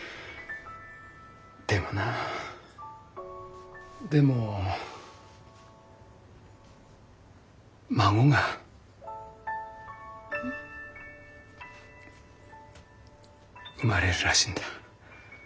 でもなあでも孫が生まれるらしいんだ。